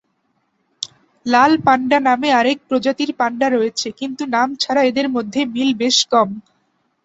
লাল panda নামে আরেক প্রজাতির পান্ডা রয়েছে কিন্তু নাম ছাড়া এদের মধ্যে মিল বেশ কম।